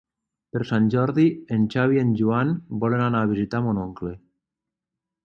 Per Sant Jordi en Xavi i en Joan volen anar a visitar mon oncle.